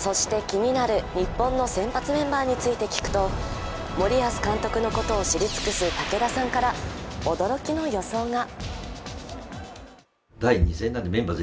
そして気になる日本の先発メンバーについて聞くと森保監督のことを知り尽くす武田さんから驚きの予想が。